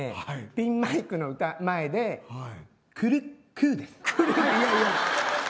ピンマイクの前でくるっくぅです。